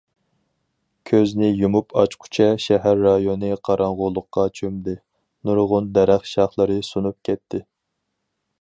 كۆزنى يۇمۇپ ئاچقۇچە شەھەر رايونى قاراڭغۇلۇققا چۆمدى، نۇرغۇن دەرەخ شاخلىرى سۇنۇپ كەتتى.